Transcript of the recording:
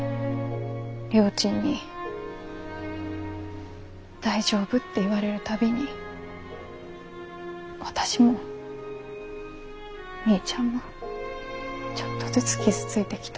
りょーちんに大丈夫って言われる度に私もみーちゃんもちょっとずつ傷ついてきた。